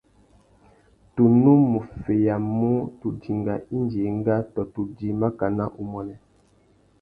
Tu nù mú feyamú tu dinga indi enga tô tu djï makana umuênê.